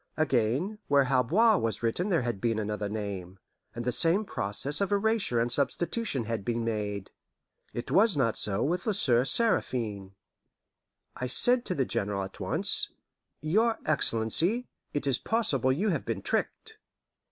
Again, where "Halboir" was written there had been another name, and the same process of erasure and substitution had been made. It was not so with "La Soeur Seraphine." I said to the General at once, "Your excellency, it is possible you have been tricked."